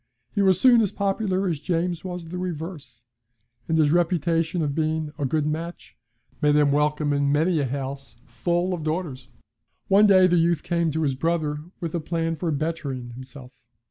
He was soon as popular as James was the reverse, and his reputation of being 'a good match' made him welcome in many a house full of daughters. One day the youth came to his brother with a plan for bettering himself.